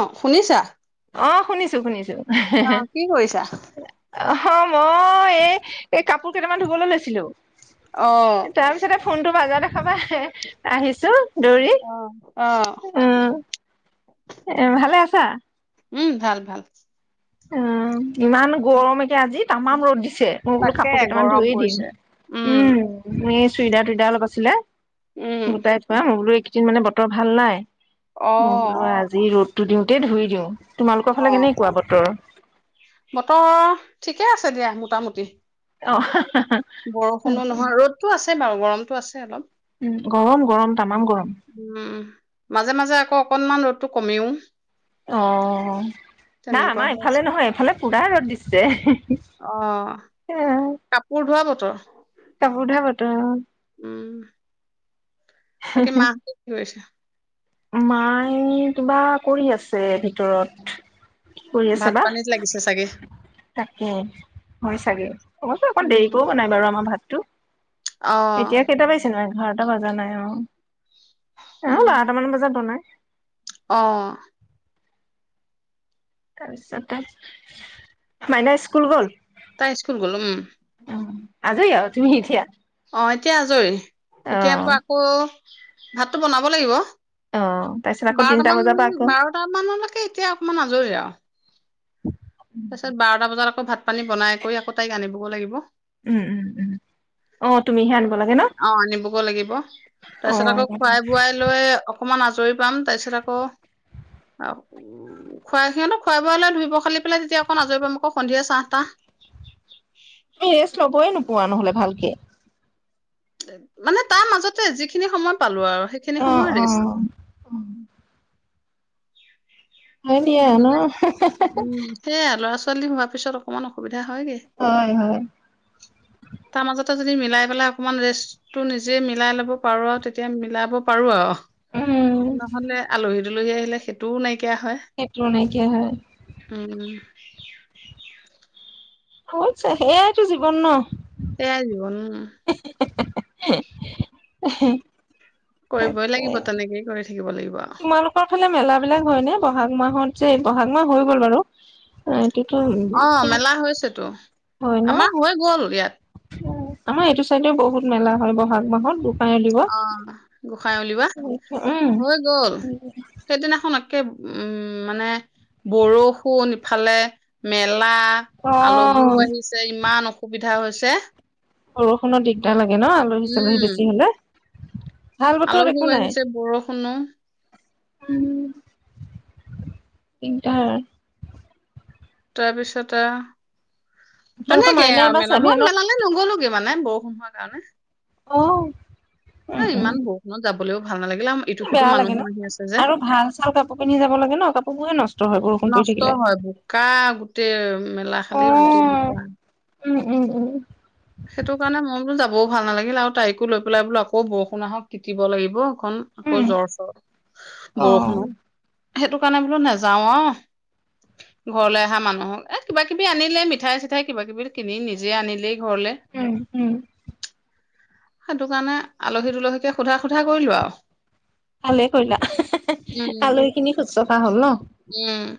অ শুনিছা অ শুনিছো শুনিছো হে অ হে কি কৰিছা? অ মই এই এই কাপ কাপোৰ কেইটান ধুবলৈ লৈছিলো অ তাৰপিছতে ফোনটো বাজাৰ দে তাপা আহিছো দৌৰি অ উম অ ভালে আছা? উহ ভাল ভাল উম ইমান গৰম এ এ আজি তামাম ৰ'দ দিছে মই বোলো তাকে কাপোৰ কেইটামান গৰম ধুয়ে দিম পৰিছে উম চুইডা টুইডা অলপ আছিলে উম গোটাই থোৱা মই বোলো এইকেইদিন মানে বতৰ ভাল নাই। অ মই বোলোৱা আজি ৰ'দ দুদিনতেই ধুই দিওঁ। তোমালোকৰ ফালে অ কেনেকুৱা বতৰ উ বতৰ ঠিকে আছে দিয়া মোটামুটি অ হেহ বৰষুণো নহয় ৰ'দতটো আছে আছে বাৰু গৰমতটো আছে অলপ উ গৰম গৰম তামাম গৰম অকণমান ৰ'দটো কমিও অ নাই আমাৰ হৈ আছে এইফালে নহয় এইফালে পুৰা ৰ'দ দিছে হে হি অ কাপোৰ ধোৱা বত বত কাপোৰ ধুৱা বতৰ উ বাকি মাহঁতে কি কৰিছে? মায় কিবা কৰি আছে ভিতৰত কৰি আছে ভাত বা পানীত লাগিছে চাগে তাকে হয় চাগে অত অকৌ উম দেৰিকও বনাই বাৰু আমাৰ ভাত অ এতিয়া কেইটা বাজিছে নো ঘাৰটা বজা নাই অ এ হ' উম বাৰটামান বজাত নাই অ তাৰপিছত তাৰিছ মাইনা স্কুল গ'ল তাই স্কুল গ'লোম অ আজৰি আহ তুমি ইতিয়া অঁ এতিয়া আজৰি এতিয়াৰ পৰা আকৌ ভাতটো বনাব লাগিব অ তাৰপিছত আকৌ তিনটা বাৰটামান বজাৰ পৰা আকৌ বাৰট মানলৈকে এতিয়া অকমান আজৰি আৰু তাৰপিছত বাৰটা বজাত আকৌ ভাত পানী বনাই কৰি আকৌ তাইক আনিব লাগিব উম উম উম অ তুমি হেন অ আনিবগৈ লাগিব তাৰ অ পিছত আকৌ খোৱাই বোৱাই লৈ অকমান আজৰি পাম তাৰ পিছত আকৌ খুৱাই সিহঁতো খোৱাই বোৱা হলে ধুইব খালি পেলাই তেতিয়া আকৌ নজৰি পাম আকৌ সন্ধিয়া চাহটা পোৱা নহলে ভালকে মানে তাৰ মাজতে যিখিনি সময় পালো আৰু সেইখিনি অ', সময়ৰেষ্ট অ', অ ভনিয় নো মিলাই উম সেয়া ল'ৰা হোৱাৰ পিছ অণ অসুবিধা হয়গে হয় হয় তাৰ মাজতে যদি মিলাই পেলাই অকমান ৰেষ্টটো নিজে মিলাই লব পাৰো আৰু তেতিয়া মিলাব পাৰো উম, আৰু নহলে আলহী জুলহী আহিলে সেইটোও নাইকিয়া হয় সেত্ৰ নাইকিয়া হয় [inaudible] হৈছ সেয়াইতো জীৱন ন সেয়াই জীৱ ন উ কৰিবই লাগিব তেনেকেই কৰিছে তোমালোকৰ ফালে মেলা বিলাক হয় ন বহাগ মাহত যে বহাগ মাহ হৈ গ'ল বাৰু এইটোতো অ শেষ মেলা হৈছেতো হয় ন। আমাৰ হৈ গ'ল ইয়াত আমাৰ এইটো চাইডেও বহুত মেলা হয় বহাগ মাহত বত অ গোঁসাই উলিবা উম, হৈ গল সেইদিনাখন আ উম মানে বৰষুণ নি ইফালে ম লা, আলহীও অ'। আহিছে ইমান- সুবিধা হৈছে বৰষুণো দিগদাৰ লাগে লে ন আলহী চালহী উম, বেছি হলে ভাল বতৰত একো আলহীও নাই। আহিছে বৰষুণো উম, ইন্টাৰ তাৰপিছতে আও তোমালোকৰ তেনেকে মাইনা আও এইবাৰ মেলা মই ছেভেনত মেলালে নগলোগে মানে বৰষুণ হোৱাৰ কাৰণে অ' উম এ উম ইমান বৰুষুণত যাব ক'ক [unintelligible] ভাল নালাগিলে ইটো সিটো বেয়া লাগে মানুহো ন আহি আছে। যে আৰু ভাল চাল কাপোৰ পিন্ধি যাব লাগে ন কাপোৰবোৰে নষ্ট হয় বৰষুণ পৰি নষ্ট থাকিলে হয় বোকা গোটেই মেলা অ খালি গোটেই বোকা উম উম উম সেইটো কাৰণে মই বোলো যাবও ভাল নালাগিল আৰু তাইকো লৈ পেলাই বোলো আকৌ বৰষুণ আহক টিটিব লাগিব খন আকৌ উম জ্বৰ চৰ, অ বৰষুণত সেইটো কাৰণে বোলো নাযাও অ, ঘৰলৈ অহা মানুহক এ কিবা কিবি আনিলে মিঠাই চিঠাই কিবা কিবি কিনি নিজেই আনিলেই ঘৰলে উম উম সেইটো কাৰণে আলহী দুলহীকে সোধা সোধা কৰিলো আৰু আালে কৰিলা, উম আলৈ খিনি শুশ্ৰষা হল ন উম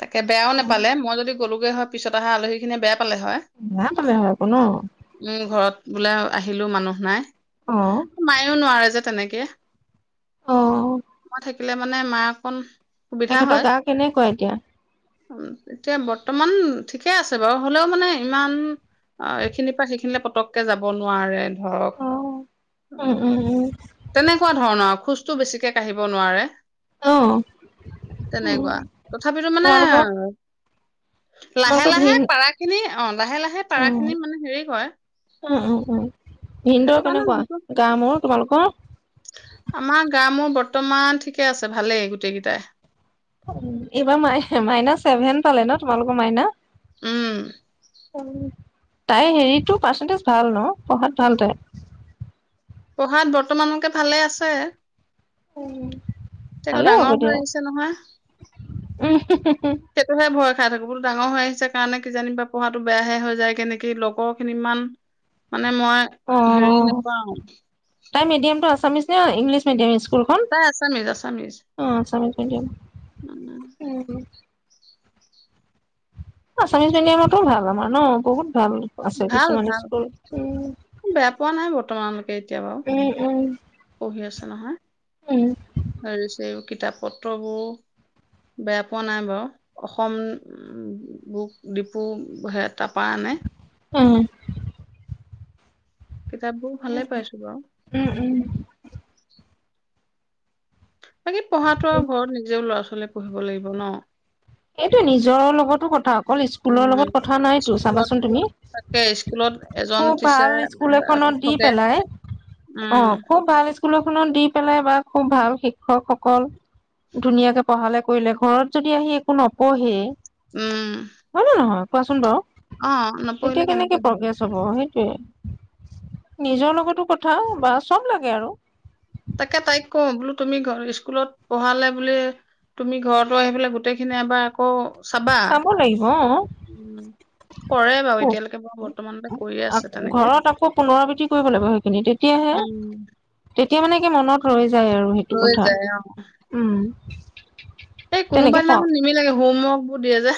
তাকে বেয়াও নাপালে মই যদি গলোগে হয়, পিছত আলহীখিনিয়ে বেয়া- পালে হয়, বেয়া পালে হয় আকৌ ন উম ঘৰত বোলে আহিলোঁ মানুহ নাই অ মায়েও নোৱাৰে যে তেনেকে অ ম থাক- লে মানে মা অকণ সুবিধা তেখেতৰ হয় গা কেনেকুৱা এতিয়া? এতিয়া বৰ্তমান ঠিকে আছে বাৰু হ'লেও মানে ইমান এইখিনিৰ পৰা সেইখিনিলে পতককে যাব নোৱাৰে ধৰক অ উম উ উম উম তেনেকুৱা ধৰণৰ- খোজটো বেছিকে কাঢ়িব নোৱাৰে অ তেনেকুৱা তথাপিতো মানে তোমালোকৰ লাহে তোমালোকৰ লাহে ভিন পাৰাখিনি লাহে লাহে পাৰা উম খিনি মানে হেৰি হয় উম উম উম সেইটো কাৰণে নামটো ক আমাৰ গা মোৰ বৰ্তমান ঠিকে আছে ভালেই গোটেই কেইটাই এইবাৰ মা মাইনাচ চছেভেন পালে ন তোমালোকৰ মাইনা উম তাই হেৰিতটো পাৰ্চেন্টেজ ভাল ন পঢ়াত ভাল তাই পঢ়াত বৰ্তমানকে ভালে আছে উম! একো ডাঙৰ হৈ আহিছে নহয় উম সেইটোহে ভয় ডাঙৰ হৈ আহিছে কাৰণে কিজানিবা পঢ়াতো বেয়াহে হৈ যায় কেনেকে লগৰ খিনি ইমান মানে মই হেৰি অ নেপাওঁ তাই মিদিয়াম টো আছিছ ন ইংলছ মিদিয়াম স্কুল খন তাই আছামিজ আছামিজ অ এচামিচ এ উম, আমিছ মিডিয়ামৰতো ভাল আমাৰ ন বহুত ভাল আছে ভাল কিছুমান ভাল স্কুল মান লৈকে কেতিয়াবা উম উম পঢ়ি আছে নহয় উম হেৰি কিতাপ পত্ৰবোৰ বেয়া পোৱা নাই বাৰু অসম বুক ডিপু হেত তাৰপৰা আনে উম কিতাপবোৰ ভালে পাইছো বাৰু উম উম বাকী পঢ়াটো আৰু ঘৰত নিজেও ল'ৰা ছোৱ পঢ়িব লাগিব ন এইটো নিজৰৰ লগতো কথা অকল স্কুলৰ উম, লগত কথা নাইতো স্কুলত চাবাচোন তুমি তাকে স্কুলত এজন খুব টিচাৰ ভাল স্কুল বা এখনত দি শিক্ষকে পেলাই অ উম, খুব ভাল স স্কুল এখনত দি পেলাই বা খুব ভাল শিক্ষকসকল ধুনীয়াকে পঢ়ালে কৰিলে ঘৰত যদি আহি নপঢ়ি উম কোৱাচোন বাৰু এতিয়া কেনেকে প্ৰগ্ৰেছ হব সেই নিজৰ লগতো কথা বা চব লাগে আৰু তাকে তাইক কওঁ। বোলো, তুমি স্কুলত পঢ়ালে বুলিয়েই তুমি ঘৰত আহি পেলাই গোটেইখিনি এবাৰ চাবা। চাব লাগিব অ উম, কৰে বাৰু এতিয়ালৈকে বাৰু বৰ্তমানতে কৰিয়ে আছে তেনেকে। ঘৰত আকৌ পুনৰাবৃত্তি কৰিব লাগিব সেইখিনি তেতিয়াহে উম, তেতিয়া মানে কি মনত ৰৈছে যাই আৰু সেইটো লৈ কথা যায় অ', উম বে এই কোনোবাই দিদিনাখন নিমিল লাগে হোমৱৰ্ক বু দিয়া যে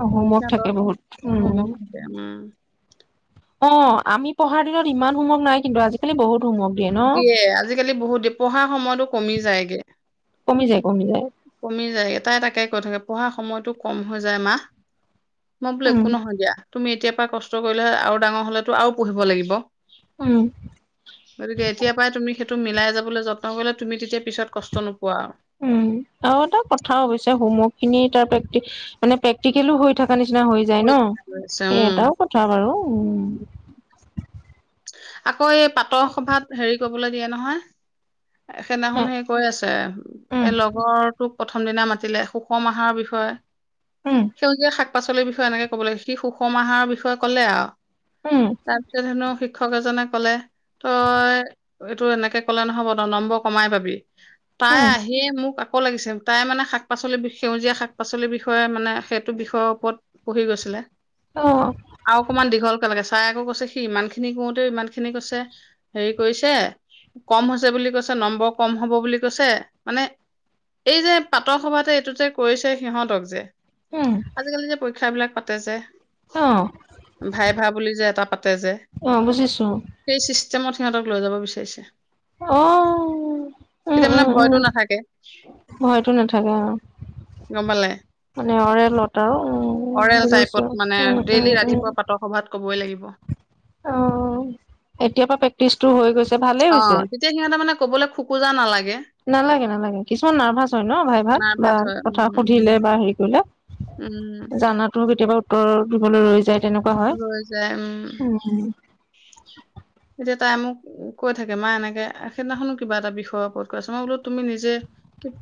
অ হোমত সিহঁতৰ। থাকে বহুত উম হোমৱৰ্ক থাকে উম। অ আমি পঢ়াৰ দিনত ইমান সময় নাই কিন্তু আজিকালি বহুত হোমৱৰ্ক ন দিয়ে আজিকালি বহুত দ পঢ়াৰ সময়তো কমি যায়গে কমি যায় কমি যায় কমি যায়গে তাই তাকে কৈ থাকে পঢ়াৰ সময়তটো কম হৈ যায় মা মই বোলো উম একো নহয় দিয়া তুমি এতিয়া পৰা কষ্ট কৰিলেহে আৰু ডাঙৰ হলেো আৰু পুহিব লাগিব উম গতিকে এতিয় পৰাই তুমি সেইটো মিলাই যাবলৈ যত্ন কৰিলে তুমি তেতিয়া পিছত কষ্ট নোপোৱা আৰু উম আৰু এটা কথা অৱশ্যে হোমৱৰ্ক খিনি তাৰ প্ৰে্ট মানে প্ৰেক্টিকেলো হৈ থাকে। কিবা নিচিনা হৈ যায় ন আছে, সেই উম এটাও কথা বাৰু উ আকৌ। আকৌ এই পাটৰ সভাত হেৰি কবলৈ দিয়ে নহয়। সেইদিখন সে কৈ আছে উম এই লগৰটোক। প্ৰথম দিনা মাতিলে সুষম আহাৰৰ বিষয়ে উম সেউজীয়া সাত শাক পাচলিৰ বিষয়ে এনেকে ক'ব লাগ সি সুষম আহাৰৰ বিষয়ে ক'লে আৰু উম তাৰপিছত হেনো শিক্ষক এজনে কলে তই এইটো এনেকে কলে নহব ন নম্বৰ কমাই পাবি। তাই উম আহে মোক আক। এক লাগিছিল তাই মানে শাক পাচলি সেউজীয়া শাক পাচলিৰ বিষয়ে মানে সেইটো বিষয়ৰ ওপৰত পঢ়ি গৈছিলে। অ আৰু অকমান দীঘল একেলে চাই আক কৈছে সি ইমানে খিনি কোতে ইমান খিনি কৈছে হেৰি কৰিছে কম হৈছে বুলি কৈছে নম্বৰ কম হব বুলি কৈছে মানে এই যে পাতৰ সভাতে এইটোতে কৰিছে সিহঁতক যে উম আজিকালি যে পৰীক্ষা বিলাক সতেজ যে অ ভাইে ভাই বুলি যে এটা পাত তেজে আহ বুজিছো। ষ্টেমত সিহঁক লৈ যাব বিচাৰিছে অ উম তেতিয়া মানে উম উম ভয়তটো নাথাকে। ভয়তো নাথাকে গমপালায় নেওৰে লততে [unintelligible] অৰেল টাইপত মানে উম ডেইলি উম ৰাতিপুৱা প্ৰাতঃ সভাত কবই লাগিব অ এতিয় পৰা প্ৰেক্টিচটো হৈ গৈছে ভালেই অ হৈছে তেতিয়া সিহঁতে মানে কবলৈ খোকোজা নালাগে। নালাগে নালাগে কিছুমান নাৰ্ভাচ হয় ন ভাইভাত বা নাৰ্ভাচ হয় কথা উম সুধিলে বা হেৰি কৰিলে উম জানাতো কেতিয়াবা গা ধুবলৈ বৈ যায় উম এতিয়া তাই মোক কৈ থাকে মা এনেকে সেইদিনাখনো কিবা এটা বিষয়ৰ ওপৰত কৈ আছ মই বোলো তুমি নিজে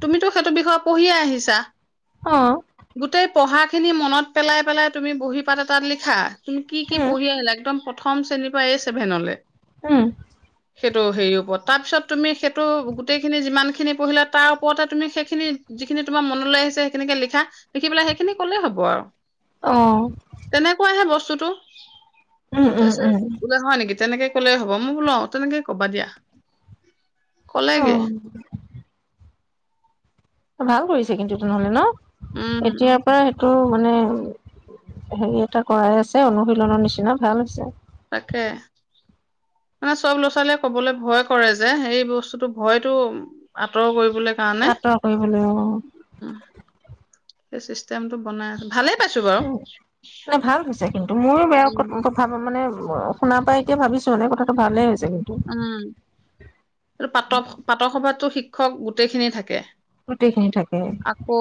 তুমিতো সেইটো বিষয়ে পঢ়িয়ে আহিছা অ গোটেই পঢ়া খিনি মনত পেলাই পেলাই তুমি বহী পাত এটাত লিখা তুমি কি উম পঢ়ি আহিলা একেবাৰে প্ৰথম শ্ৰেণীৰ পৰা এ চছেভেনলৈ উম সেইটো হেৰিৰ ওপৰত তাৰিছ তুমি সেইটো গোটেইখিনি যিমান খিনি পঢ়িলা তাৰ ওপৰতে তুমি সেইখিনি যিখিনি তোমাৰ মনলৈ আহিছে সেইখিনিকে লিখা দেখি পেলাই সেইখিনি কলেই হ'ব আৰু অ তেনেকুৱাহে বস্তু যিটো উম উম তাৰ উম পাছত [unintelligible] তেনেকে কলে হ'ব মই বোলও তেনেকে ক'বা দিয়া অ কলেগে ভাল কৰিছে কিন্তু তেনেহলে ন। উম এতিয়াৰ পৰাই টো মানে হেৰি এটা কৰাই আছে অনুশীলনৰ নিচিনা ভাল হৈছে। তাকে মানে চব ল'ৰা ছোৱালীয়ে কবলৈ ভয় কৰে যে এই বস্তুতটো ভয়তটো আঁতৰ কৰিব আঁতৰ কৰিব লাগিব উম, অ। সেই চিষ্টেম টো বনাই আছে। মানে ভাল হৈছে কিন্তু মোৰো বেয়া উম ভাবা মানে শুাৰ পাই এতিয়া ভাবিছো মানে কথাটো ভালে হৈছে। কিন্তু উম এই প্ৰাতঃ প্ৰাতঃ সভাততো শিক শিক্ষক গোটেইখিনি থাকে গোটেইখিনি থাকে আকৌ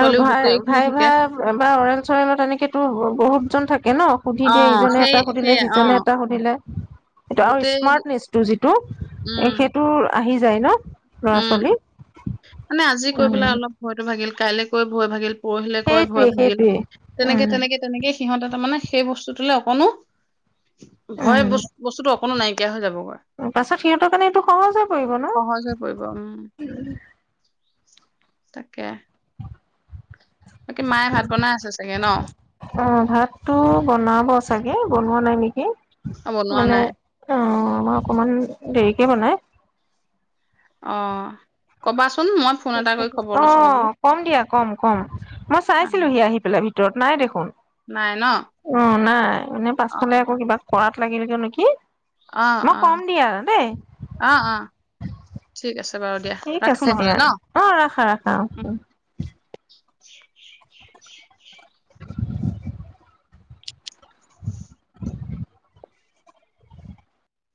আৰু গোটেইখিনি থাকে। ভাইভাত বা অৰেল চৰেজত টো এনেকেতো বহুত [inaudible] ন সুধি দিয়ে অ', ইজনে সেই এটা সুধিলে সেয়া সিজনে অ', এটা সুধিলে সেইটো আৰু গোটেই স্মাৰ্টনেচটো যিটো উম, সেইটো আহি যায় ন লৰা উম, ছোৱালী মানে আজি কৈ পেল উম অলপ হয়তো কাইলৈ কৈ ভয় ভাগিল পৰহিলে কৈ ভয় সেইটোৱে ভাগিল সেইটোৱে তেনেকে উম তেনেকে তেনেকে সিহঁতে তাৰ মানে সেই বস্তুটোলে অকণো ভয় বস্ত উম বস্তুতটো কোনো নাইকিয়া হৈ যাব পাছত সিহঁতৰ কাৰণে এইটো সহজে পৰিব ন গৰম তাকে বাকী মায়ে ভাত বনাই আছে চাগে ন? অ ভাতটো বনাব চাগে বনোৱা নাই নেকি বনোৱা নাই ময়ে অকমান দেৰিকে বনাই অ কবা অ কম দিয়া কম কম মই অ, চাইছিলোহি আহি পেলাই ভিতৰত নায়ে দেখোন নাই ন? অ নাই এনে অ', পাছফালে আকৌ কিবা কৰা নেকি অ মই অ কম দিয়া দেই অ অ ঠিক আছে বাৰু দিয়া ঠিক ৰাখো আছে নহ'লে দিয়া ন? অ ৰাখা ৰাখা